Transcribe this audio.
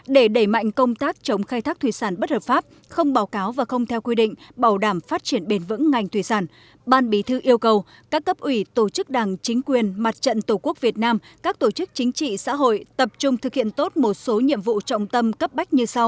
để đẩy mạnh công tác chống khai thác thủy sản bất hợp pháp không báo cáo và không theo quy định bảo đảm phát triển bền vững ngành thủy sản ban bí thư yêu cầu các cấp ủy tổ chức đảng chính quyền mặt trận tổ quốc việt nam các tổ chức chính trị xã hội tập trung thực hiện tốt một số nhiệm vụ trọng tâm cấp bách như sau